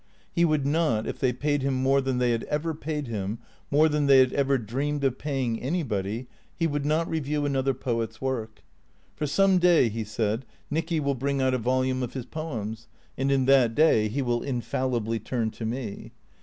He would not, if they paid him more than they had ever paid him, more than they had ever dreamed of paying anybody, he would not review another poet's work. For some day, he said, Nicky will bring out a volume of his poems, and in that day he will infallibly turn to me.